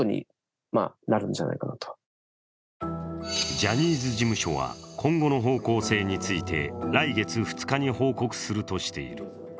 ジャニーズ事務所は今後の方向性について来月２日に報告するとしている。